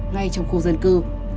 ngay trong khu dân cư